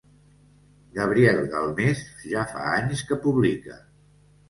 Gabriel Galmés ja fa anys que publica.